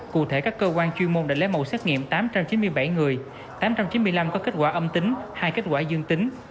cụ thể các cơ quan chuyên môn đã lấy mẫu xét nghiệm tám trăm chín mươi bảy người tám trăm chín mươi năm có kết quả âm tính hai kết quả dương tính